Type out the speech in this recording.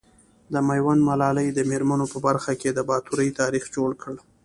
د ميوند ملالي د مېرمنو په برخه کي د باتورئ تاريخ جوړ کړ .